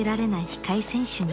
控え選手に］